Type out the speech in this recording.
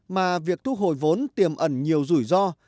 mà việc thu hồi vốn tiềm ẩn nhiều rủi ro